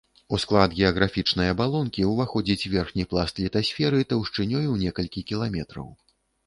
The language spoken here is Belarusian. У склад геаграфічнай абалонкі ўваходзіць верхні пласт літасферы таўшчынёй у некалькі кіламетраў.